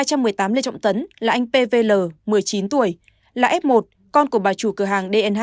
ca ở hai trăm một mươi tám lê trọng tấn là anh pvl một mươi chín tuổi là f một con của bà chủ cửa hàng dnh